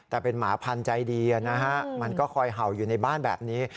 แต่เป็นหมาพันธุ์ใจดีนะฮะมันก็คอยเห่าอยู่ในบ้านแบบนี้